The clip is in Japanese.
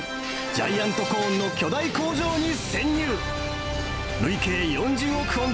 ジャイアントコーンの巨大工場に潜入。